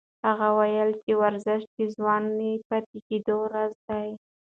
هغه وایي چې ورزش د ځوان پاتې کېدو راز دی.